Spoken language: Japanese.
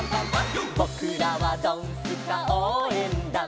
「ぼくらはドンスカおうえんだん」